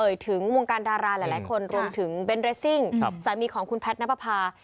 เบนเรสซิ้งสามีของคุณแพทนพภา